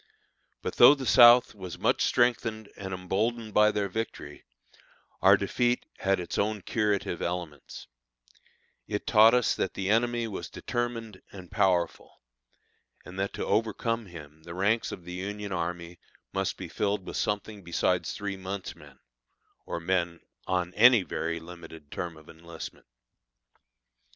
But though the South was much strengthened and emboldened by their victory, our defeat had its own curative elements: it taught us that the enemy was determined and powerful, and that to overcome him the ranks of the Union army must be filled with something besides three months' men, or men on any very limited term of enlistment.